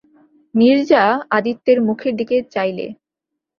নীরজা আদিত্যের মুখের দিকে চাইলে।